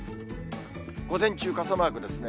午前中、傘マークですね。